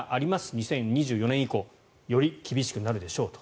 ２０２４年以降より厳しくなるでしょうと。